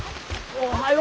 あおはよう。